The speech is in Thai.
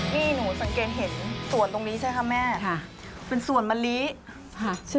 นี่หนูสังเกตเห็นสวนที่นี่ใช่ไหมคะแม่